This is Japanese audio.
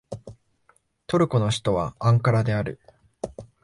トルコの首都はアンカラである